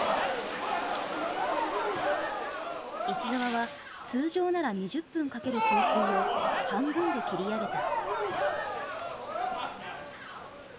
市澤は通常なら２０分かける吸水を半分で切り上げた。